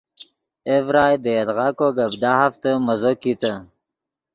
اے ڤرائی دے یدغا کو گپ دہافتے مزو کیتے